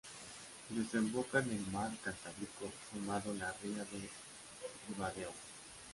Desemboca en el mar Cantábrico formando la Ría de Ribadeo.